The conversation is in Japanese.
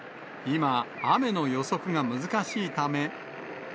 今、雨の予測が難しいため。